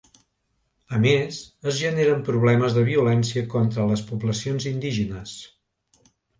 A més, es generen problemes de violència contra les poblacions indígenes.